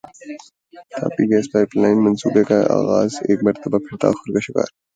Tapi gas pipeline منصوبے کا اغاز ایک مرتبہ پھر تاخیر کا شکار